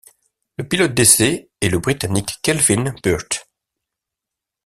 Le pilote d'essais est le Britannique Kelvin Burt.